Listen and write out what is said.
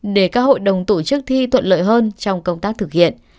để các hội đồng tổ chức thi thuận lợi hơn trong công tác thực hiện